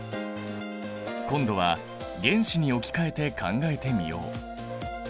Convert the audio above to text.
今度は原子に置き換えて考えてみよう。